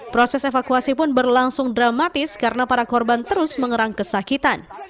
proses evakuasi pun berlangsung dramatis karena para korban terus mengerang kesakitan